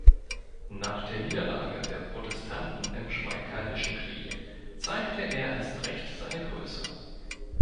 Nach der Niederlage der Protestanten im Schmalkaldischen Krieg zeigte er erst recht seine Größe.